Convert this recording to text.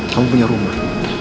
kamu punya rumah